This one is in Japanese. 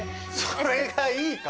それがいいか？